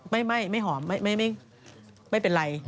ไม่อ่ะไม่อ่ามไม่เป็นไร